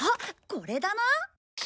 これだな！